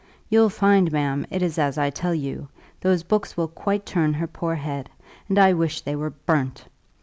You'll find, ma'am, it is as I tell you, those books will quite turn her poor head, and I wish they were burnt.